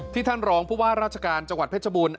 ท่านรองผู้ว่าราชการจังหวัดเพชรบูรณ